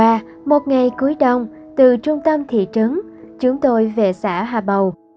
đắc đòa một ngày cuối đông từ trung tâm thị trấn chúng tôi về xã hà bầu